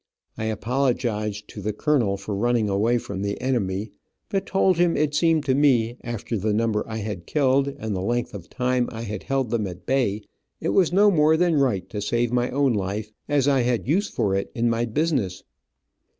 I apologized to the colonel for running away from the enemy, but told him it seemed to me, after the number I had killed, and the length of time I had held them at bay, it was no more than right to save my own life, as I had use for it in my business.